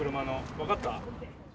分かった。